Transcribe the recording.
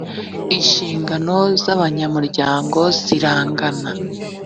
inshingano z abanyamuryango zirangana.